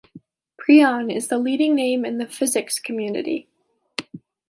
"Preon" is the leading name in the physics community.